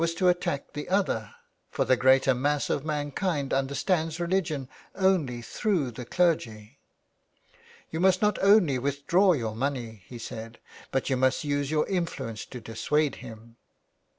to attack the other, for the greater mass of mankind understands religion only through the clergy. ''You must not only withdraw your money,'' he said, " but you must use your influence to dissuade him."